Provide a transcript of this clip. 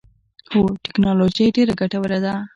هو، تکنالوجی ډیره ګټوره ده